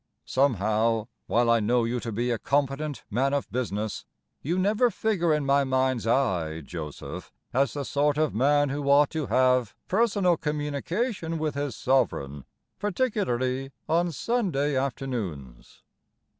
Somehow, while I know you to be a competent man of business, You never figure in my mind's eye, Joseph, As the sort of man who ought to have Personal communication with his Sovereign, Particularly on Sunday afternoons.